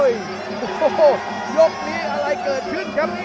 ยกนี้อะไรเกิดขึ้นครับ